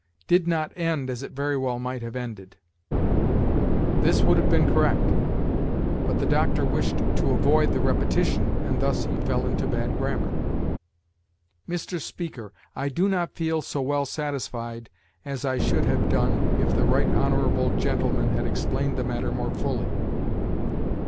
'Did not end as it very well might have ended....' This would have been correct; but the Doctor wished to avoid the repetition, and thus he fell into bad grammar. 'Mr. Speaker, I do not feel so well satisfied as I should have done if the Right Honorable Gentleman had explained the matter more fully.'